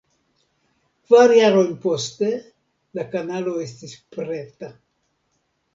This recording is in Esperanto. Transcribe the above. Kvar jarojn poste la kanalo estis preta.